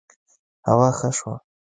هوا ښه شوه